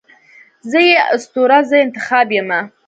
زه یې اسطوره، زه انتخاب یمه